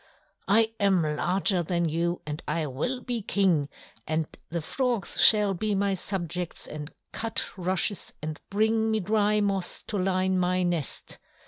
"I am larger than you, and I will be King, and the frogs shall be my subjects and cut rushes and bring me dry moss to line my nest."